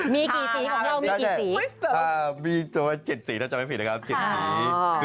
มีก็ไม่ธรรมดานนะ